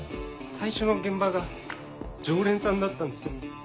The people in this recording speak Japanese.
最初の現場が常連さんだったんすよ。